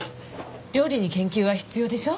料理に研究は必要でしょ？